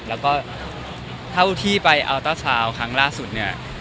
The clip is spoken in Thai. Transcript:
แล้วก็เท่าที่ไปอัลเตอร์ซาวน์ครั้งล่าสุดเนี่ย